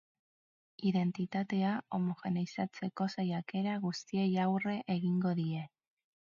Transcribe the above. Identitatea homogeneizatzeko saiakera guztiei aurre egingo die.